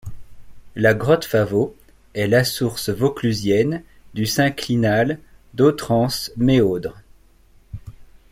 La grotte Favot est la source vauclusienne du synclinal d'Autrans-Méaudre.